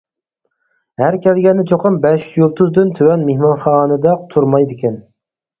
ھەر كەلگەندە چوقۇم بەش يۇلتۇزدىن تۆۋەن مېھمانخانىدا تۇرمايدىكەن.